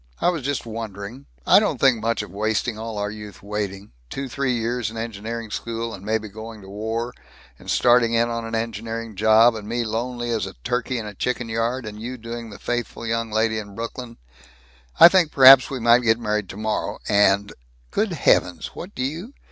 I was just wondering I don't think much of wasting all our youth waiting Two three years in engineering school, and maybe going to war, and starting in on an engineering job, and me lonely as a turkey in a chicken yard, and you doing the faithful young lady in Brooklyn I think perhaps we might get married tomorrow and " "Good heavens, what do you